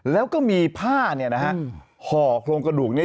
แล้วก็มีผ้าห่อโครงกระดูกนี้